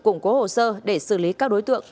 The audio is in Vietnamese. củng cố hồ sơ để xử lý các đối tượng